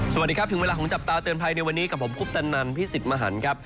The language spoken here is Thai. สวัสดีครับถึงเวลาของจับตาเตือนภัยในวันนี้กับผมคุปตันนันพี่สิทธิ์มหันครับ